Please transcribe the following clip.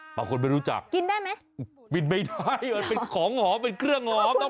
ฮะบางคนไม่รู้จักกินได้ไหมไม่ได้มันเป็นของหอมเป็นเครื่องหอมต้องไปตอบ